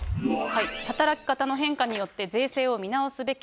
働き方の変化によって、税制を見直すべき。